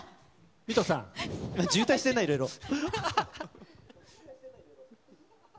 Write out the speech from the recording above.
水卜さん、渋滞してるな、いろいろと。